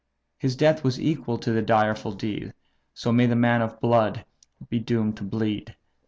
His death was equal to the direful deed; So may the man of blood be doomed to bleed!